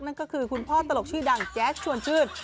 นั่นก็คือคุณพ่อตลกชื่อดังแจ๊สชวนชื่น